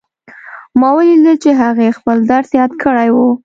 ما ولیدل چې هغې خپل درس یاد کړی وو